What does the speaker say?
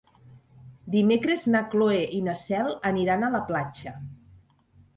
Dimecres na Cloè i na Cel aniran a la platja.